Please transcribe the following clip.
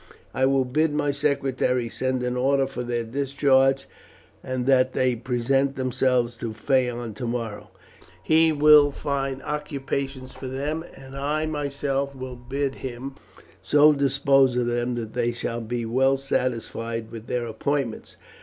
I will bid my secretary send an order for their discharge, and that they present themselves to Phaon tomorrow. He will find occupations for them, and I will myself bid him so dispose of them that they shall be well satisfied with their appointments.